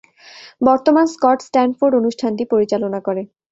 বর্তমান Scott Stanford অনুষ্ঠানটি পরিচালনা করে।